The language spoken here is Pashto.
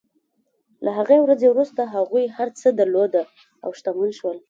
له هغې ورځې وروسته هغوی هر څه درلودل او شتمن شول.